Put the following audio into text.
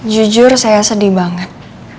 jujur saya sedih banget